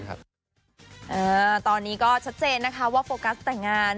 ตอนนี้ก็ชัดเจนนะคะว่าโฟกัสแต่งงาน